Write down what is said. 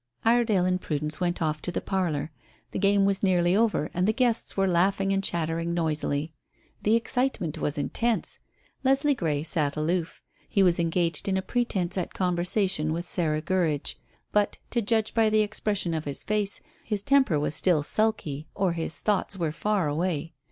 Iredale and Prudence went off to the parlour. The game was nearly over, and the guests were laughing and chattering noisily. The excitement was intense. Leslie Grey sat aloof. He was engaged in a pretence at conversation with Sarah Gurridge, but, to judge by the expression of his face, his temper was still sulky or his thoughts were far away.